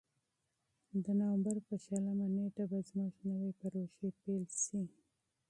د نوامبر په شلمه نېټه به زموږ نوې پروژې پیل شي.